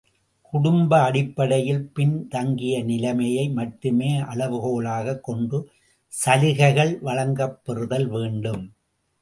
குடும்ப அடிப்படையில் பின் தங்கிய நிலைமையை மட்டுமே அளவு கோலாகக் கொண்டு சலுகைகள் வழங்கப்பெறுதல் வேண்டும்.